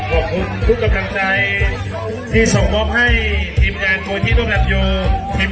ขอบคุณทุกท่านกำลังใจที่ส่งบอบให้ทีมงานโบยที่ต้องรับโยง